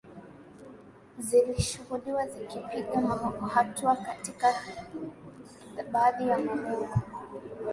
zilishuhudiwa zikipiga hatua katika baadhi ya malengo